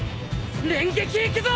連撃いくぞ！